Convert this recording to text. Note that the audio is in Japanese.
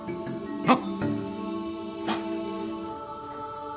なっ！